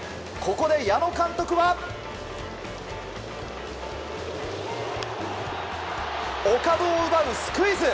ここで矢野監督は。おかどを奪うスクイズ。